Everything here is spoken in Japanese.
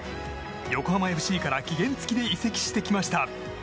横浜ＦＣから期限付きで移籍してきました。